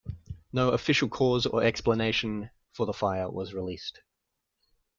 No official cause or explanation for the fire was released.